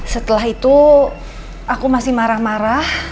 setelah itu aku masih marah marah